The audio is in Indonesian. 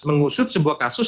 mengusut sebuah kasus